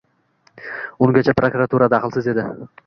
Ungacha prokuratura daxlsiz edi.